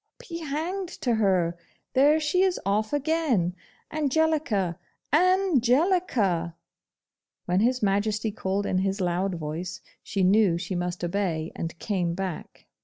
.. Be hanged to her! There she is off again. Angelica! ANGELICA!' When His Majesty called in his LOUD voice, she knew she must obey, and came back.